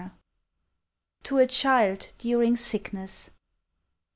59 TO A CHILD DURING SICKNESS.